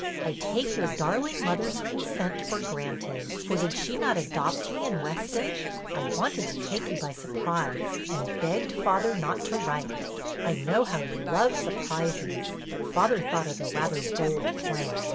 I take your darling mother's consent for granted, for did she not adopt me in Weston? I wanted to take you by surprise, and begged father not to write. I know how you love surprises, but father thought it rather a bold plan.